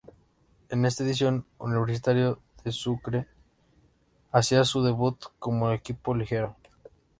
En esta edición Universitario de Sucre hacía su debut como equipo "liguero".